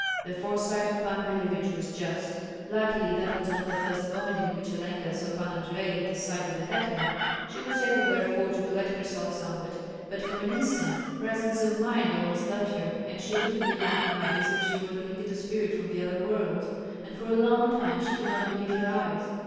The foresight of Pan Billevich was just. Luckily that was not the first moment in which Olenka saw Pan Andrei at the side of the hetman; she was able therefore to collect herself somewhat, but for an instant presence of mind almost left her, and she looked at the young knight as if she were looking at a spirit from the other world. And for a long time she could not believe her eyes.